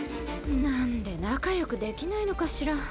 なんで仲よくできないのかしら？